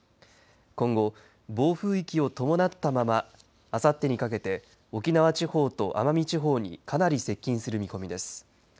今後、暴風域を伴ったままあさってにかけて沖縄地方と奄美地方にかなり接近する見込みです。